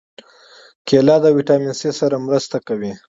کېله د ویټامین C سره مرسته کوي.